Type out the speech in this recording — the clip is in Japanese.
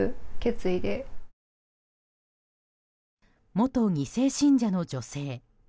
元２世信者の女性。